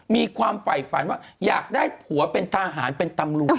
มีความฝ่ายฝันว่าอยากได้ผัวเป็นทหารเป็นตำรวจ